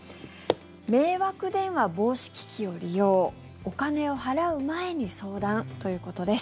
迷惑電話防止機器を利用お金を払う前に相談ということです。